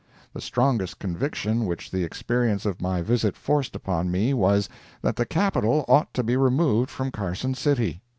The strongest conviction which the experience of my visit forced upon my mind was, that the Capital ought to be removed from Carson City.